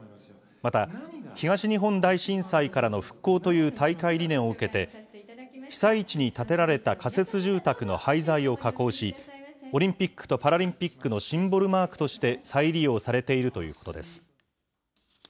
また東日本大震災からの復興という大会理念を受けて、被災地に建てられた仮設住宅の廃材を加工し、オリンピックとパラリンピックのシンボルマークとして再利用されているということです。